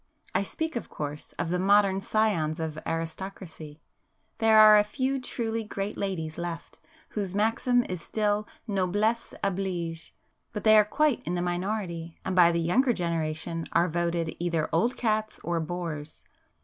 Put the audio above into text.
I speak, of course, of the modern scions of aristocracy. There are a few truly 'great ladies' left, whose maxim is still 'noblesse oblige,'—but they are quite in the minority and by the younger generation are voted either 'old cats' or 'bores.